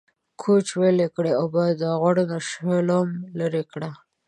کوچ ويلي کړه او بيا د غوړو نه شلوم ليرې کړه۔